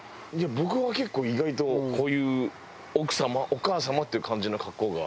僕は結構意外とこういう奥様お母様っていう感じの格好が。